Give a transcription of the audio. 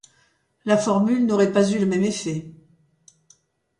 La formule n'aurait pas eu le même effet.